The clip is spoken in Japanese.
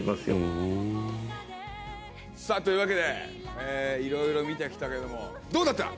さあというわけで色々見てきたけどもどうだった？